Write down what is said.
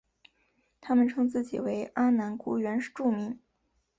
他们称自己为阿男姑原住民。